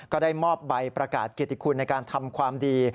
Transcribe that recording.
ก็ได้มอบใบประกาศเกียรติคุณในการทำความดี